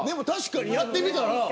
確かにやってみたら。